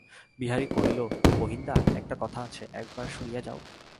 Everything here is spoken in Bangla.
বিহারী কহিল, মহিনদা, একটা কথা আছে, একবার শুনিয়া যাও।